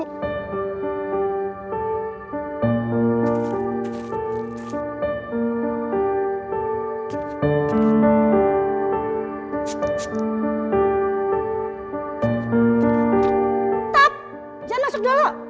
top jangan masuk dulu